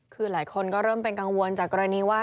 คือหลายคนก็เริ่มเป็นกังวลจากกรณีว่า